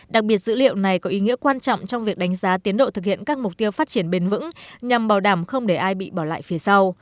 đặc biệt dữ liệu này có ý nghĩa quan trọng trong việc đánh giá tiến độ thực hiện các mục tiêu phát triển bền vững nhằm bảo đảm không để ai bị bỏ lại phía sau